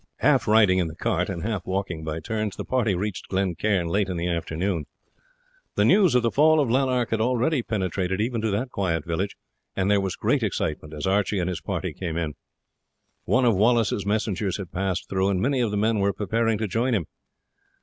Half riding in the cart and half walking by turns, the party reached Glen Cairn late in the afternoon. The news of the fall of Lanark had already penetrated even to that quiet village, and there was great excitement as Archie and his party came in. One of Wallace's messengers had passed through, and many of the men were preparing to join him.